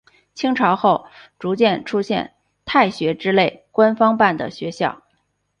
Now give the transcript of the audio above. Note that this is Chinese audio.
清朝后逐渐出现太学之类官方办的学校。